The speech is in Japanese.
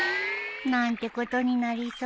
なんてことになりそう。